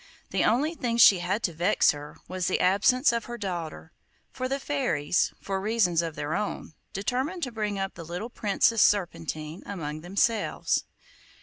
The only thing she had to vex her was the absence of her daughter; for the fairies, for reasons of their own, determined to bring up the little Princess Serpentine among themselves.